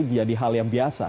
menjadi hal yang biasa